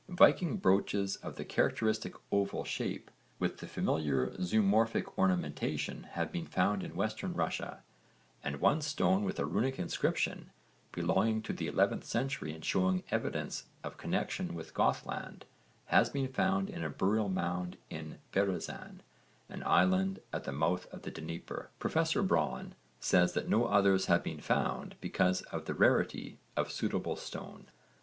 Viking brooches of the characteristic oval shape with the familiar zoomorphic ornamentation have been found in Western Russia, and one stone with a runic inscription, belonging to the 11th century and showing evidence of connexion with Gothland, has been found in a burial mound in Berezan, an island at the mouth of the Dnieper. Professor Braun says that no others have been found because of the rarity of suitable stone.